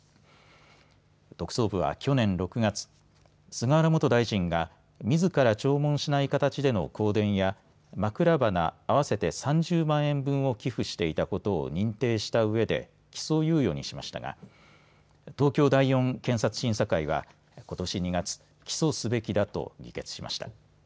特捜部は去年６月、菅原元大臣がみずから弔問しない形での香典や枕花、合わせて３０万円分を寄付していたことを認定したうえで起訴猶予にしましたが東京第４検察審査会はことし２月、起訴すべきだと議決しました。